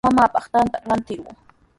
Mamaapaq tantata ratirquu.